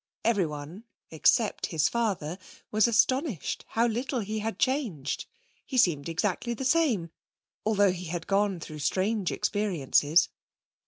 Everyone, except his father, was astonished how little he had changed. He seemed exactly the same, although he had gone through strange experiences.